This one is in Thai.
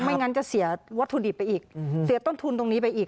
ไม่งั้นจะเสียวัตถุดิบไปอีกเสียต้นทุนตรงนี้ไปอีก